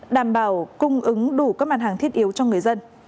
đảm bảo cung ứng đủ các mặt hàng thiết yếu cho người dân